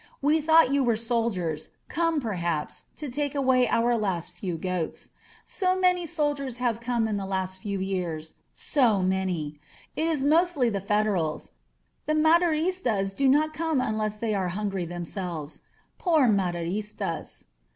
We thought you were soldiers, come, perhaps, to take away our last few goats. So many soldiers have come in the last few years — so many. It is mostly the Fed erals — the Maderistas do not come unless they are hungry themselves. Poor Maderistas